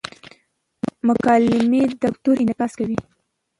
مکالمې د کلتور انعکاس کوي.